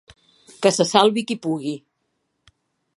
Que se salvi qui pugui...